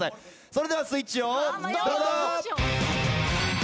それではスイッチをどうぞ。